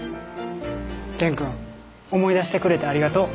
元君思い出してくれてありがとう。